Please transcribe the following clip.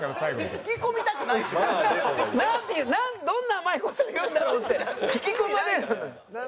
引き込みたくないです。なんてどんな甘い事を言うんだろう？って引き込まれるのよ。